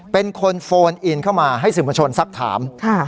เป็นคนโฟนอินเข้ามาให้สื่อมวลชนสักถาม